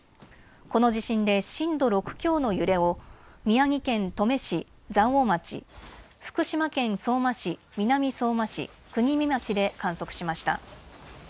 この地震で震度６強の揺れを宮城県登米市、蔵王町、福島県相馬市、南相馬市、国見町で観測しました。